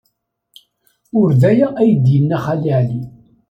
Ur d aya ay d-yenna Xali Ɛli.